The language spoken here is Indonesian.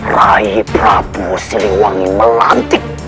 rai prabu siwan melantik